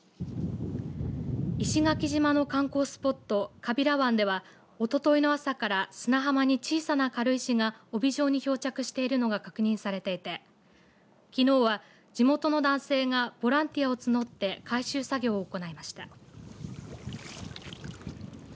川平湾では、おとといの朝から砂浜に小さな軽石が帯状に漂着しているのが確認されていてきのうは、地元の男性がボランティアを募って回収作業を行いました。